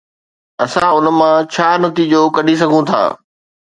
اسان ان مان ڇا نتيجو ڪڍي سگهون ٿا؟